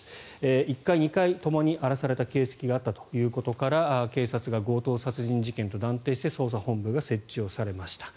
１階、２階ともに荒らされた形跡があったということから警察が強盗殺人事件と断定して捜査本部が設置されました。